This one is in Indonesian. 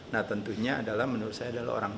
nah tentunya adalah menurut saya adalah orang